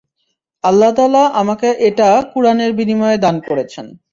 আল্লাহ তাআলা আমাকে এটা কুরআনের বিনিময়ে দান করেছেন।